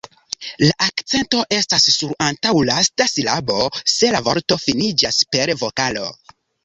La akcento estas sur la antaŭlasta silabo, se la vorto finiĝas per vokalo.